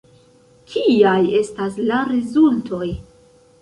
Kiaj estas la rezultoj?